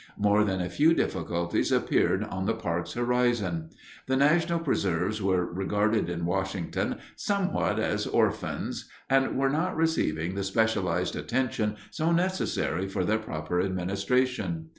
More than a few difficulties appeared on the parks horizon. The national preserves were regarded in Washington somewhat as orphans and were not receiving the specialized attention so necessary for their proper administration.